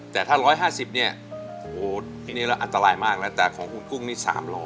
แต่ถ้า๑๕๐เนี่ยโอ้โหที่นี่แล้วอันตรายมากแล้วแต่ของคุณกุ้งนี่๓๐๐